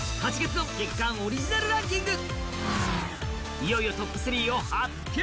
いよいよトップ３を発表。